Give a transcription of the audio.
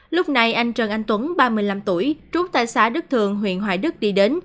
lúc này anh trần anh tuấn ba mươi năm tuổi trú tại xã đức thường huyện hoài đức đi đến